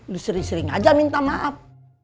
lu sering sering aja minta maaf